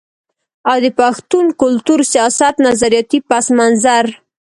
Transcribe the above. او د پښتون کلتور، سياست، نظرياتي پس منظر